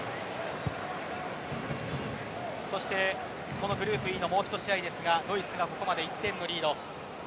そして、このグループＥのもう一試合ですがドイツがここまで１点のリード。